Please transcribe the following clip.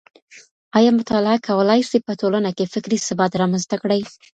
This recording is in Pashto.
آيا مطالعه کولای سي په ټولنه کي فکري ثبات رامنځته کړي؟